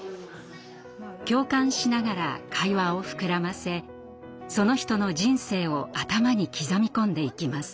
共感しながら会話を膨らませその人の人生を頭に刻み込んでいきます。